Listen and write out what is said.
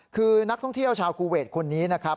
คือนักท่องเที่ยวชาวคูเวทคนนี้นะครับ